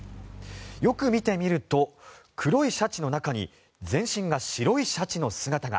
よく見てみると黒いシャチの中に全身が白いシャチの姿が。